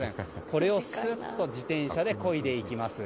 これを、すっと自転車でこいで行きます。